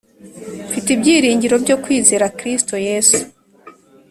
Mfite ibyiringiro byo kwizera Kristo Yesu